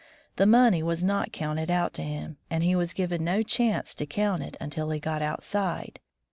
The money was not counted out to him, and he was given no chance to count it until he got outside.